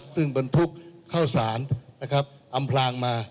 ซึ่งบนทุกข์เข้าสานอำพรางมา